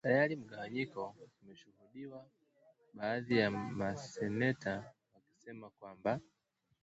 Tayari mgawanyiko umeshuhudiwa baadhi ya maseneta wakisema kwamba